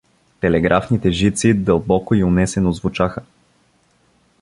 Телеграфните жици дълбоко и унесено звучаха.